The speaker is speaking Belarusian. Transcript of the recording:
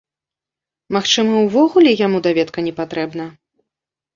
Магчыма, увогуле яму даведка не патрэбна?